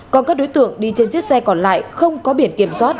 còn các đối tượng đi trên chiếc xe còn lại không có biển kiểm soát